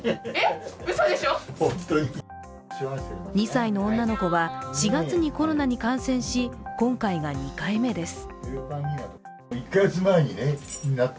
２歳の女の子は４月にコロナに感染し、今回が２回目です。